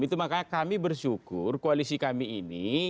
itu makanya kami bersyukur koalisi kami ini